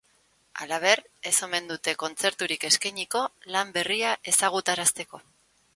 Halaber, ez omen dute kontzerturik eskainiko lan berria ezagutarazteko.